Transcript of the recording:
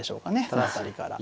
その辺りから。